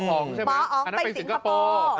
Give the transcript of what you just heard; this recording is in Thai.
หมออ๋องไปสิงคโปร์